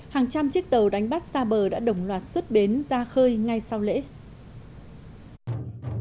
hàng trăm chiếc tàu đánh bắt xa bờ đã đồng loạt xuất bến ra khơi ngay sau lễ